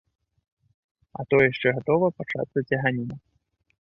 А то яшчэ гатова пачацца цяганіна.